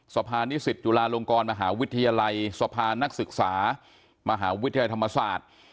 สะพานนิสิตจุฬาลงกรมหาวิทยาลัยสะพานนักศึกษามหาวิทยาลัยธรรมศาสตร์